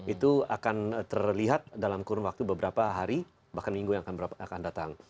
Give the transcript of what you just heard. itu akan terlihat dalam kurun waktu beberapa hari bahkan minggu yang akan datang